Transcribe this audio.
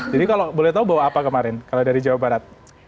jadi kalau boleh tahu bawa apa kemarin kalau dari jawa barat